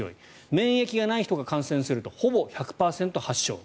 免疫がない人が感染するとほぼ１００％発症。